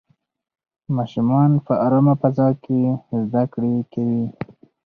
ماشومان په ارامه فضا کې زده کړې کوي.